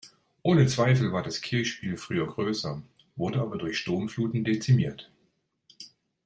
Ohne Zweifel war das Kirchspiel früher größer, wurde aber durch Sturmfluten dezimiert.